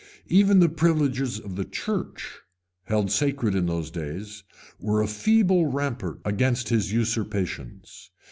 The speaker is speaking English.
Even the privileges of the church, held sacred in those days, were a feeble rampart against his usurpations.